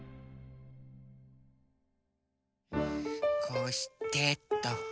こうしてと。